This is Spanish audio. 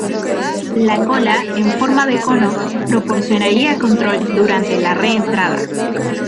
La cola en forma de cono proporcionaría control durante la reentrada.